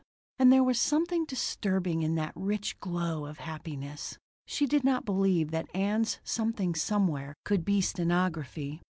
And there was something disturbing in that rich glow of happiness. She did not believe that Ann's something somewhere could be stenography.